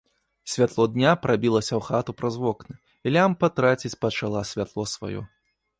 Святло дня прабілася ў хату праз вокны, і лямпа траціць пачала святло сваё.